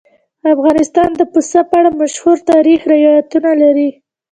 افغانستان د پسه په اړه مشهور تاریخی روایتونه لري.